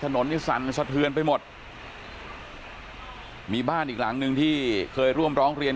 ถนนนี่สั่นสะเทือนไปหมดมีบ้านอีกหลังนึงที่เคยร่วมร้องเรียน